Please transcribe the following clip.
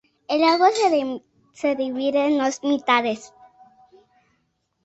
El lago se divide en dos mitades.